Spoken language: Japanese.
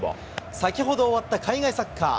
先ほど終わった海外サッカー。